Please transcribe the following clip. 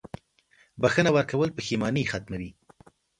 • بښنه ورکول پښېماني ختموي.